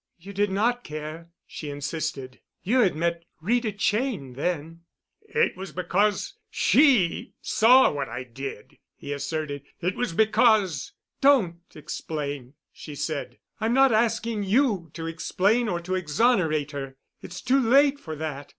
"You did not care," she insisted. "You had met Rita Cheyne then——" "It was because she saw what I did," he asserted. "It was because——" "Don't explain," she said. "I'm not asking you to explain or to exonerate her. It's too late for that.